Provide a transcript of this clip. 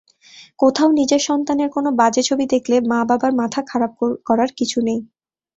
কোথাও নিজেরসন্তানের কোনো বাজে ছবি দেখলে মা–বাবার মাথা খারাপ করার কিছু নেই।